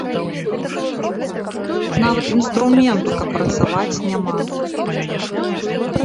Нават інструменту, каб працаваць, няма.